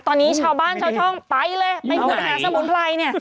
ตอนนี้ชาวบ้านชาวช่องไปเลยไปหาสมุนไพร